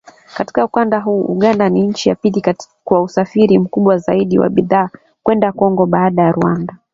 Katika ukanda huo, Uganda ni nchi ya pili kwa usafirishaji mkubwa zaidi wa bidhaa kwenda Kongo, baada ya Rwanda